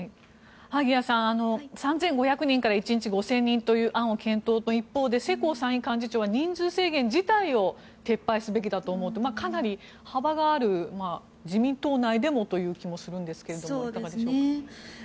萩谷さん、３５００人から１日５０００人という案を検討の一方で世耕参院幹事長は人数制限自体を撤廃すべきだと思うとかなり幅がある自民党内でもという気もするのですがいかがでしょうか。